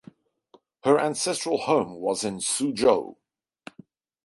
Her ancestral home was in Suzhou.